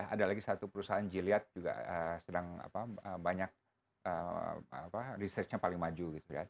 ada lagi satu perusahaan gilead juga sedang banyak research nya paling maju